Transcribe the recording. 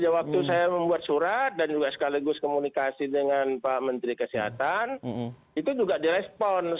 waktu saya membuat surat dan juga sekaligus komunikasi dengan pak menteri kesehatan itu juga direspon